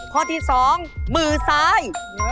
ข้อที่๒มือซ้าย